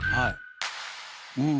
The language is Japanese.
うん。